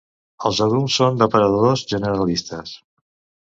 Els adults són depredadors generalistes.